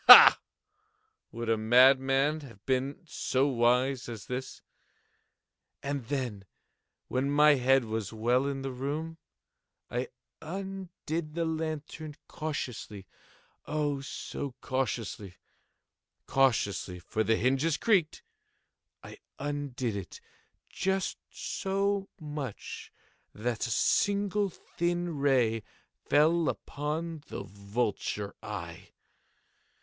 Ha!—would a madman have been so wise as this? And then, when my head was well in the room, I undid the lantern cautiously—oh, so cautiously—cautiously (for the hinges creaked)—I undid it just so much that a single thin ray fell upon the vulture eye.